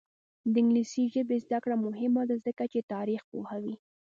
د انګلیسي ژبې زده کړه مهمه ده ځکه چې تاریخ پوهوي.